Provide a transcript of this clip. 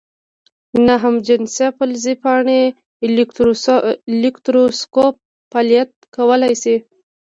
ناهمجنسه فلزي پاڼې الکتروسکوپ فعالیت کولی شي؟